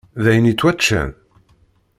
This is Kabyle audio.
D ayen ittwaččan?